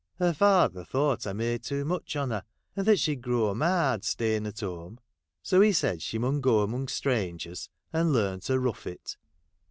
Her father thought I made too much on her, and that she'd grow marred staying at home ; so he said she mun go among strangers, and learn to rough it.